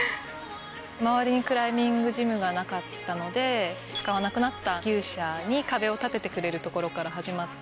周りにクライミングジムがなかったので使わなくなった牛舎に壁を建ててくれるところから始まって。